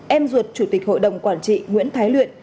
em ruột chủ tịch hội đồng quản trị nguyễn thái luyện